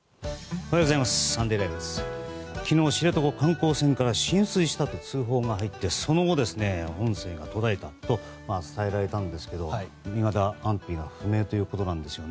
昨日、知床観光船から浸水したと通報が入ってその後、音声が途絶えたと伝えられたんですがいまだ安否が不明ということです。